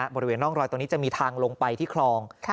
บริเวณร่องรอยตรงนี้จะมีทางลงไปที่คลอง